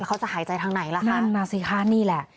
เขาจะหายใจทางไหนล่ะคะนั่นน่ะสิคะนี่แหละ